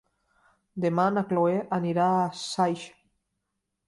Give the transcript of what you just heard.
Demà na Cloè anirà a Saix.